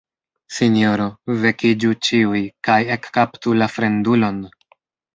Sinjoro Vekiĝu ĉiuj kaj ekkaptu la fremdulon!